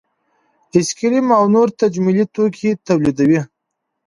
ایس کریم او نور تجملي توکي تولیدوي